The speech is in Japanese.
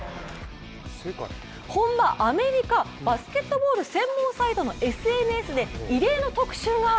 本場アメリカ、バスケットボール専門サイトのＳＮＳで異例の特集が。